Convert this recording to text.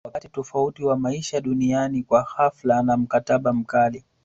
wakati utofauti wa maisha duniani kwa ghafla na mkataba mkali